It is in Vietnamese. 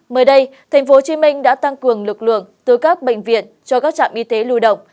mới đây tp hcm đã tăng cường lực lượng từ các bệnh viện cho các trạm y tế lưu động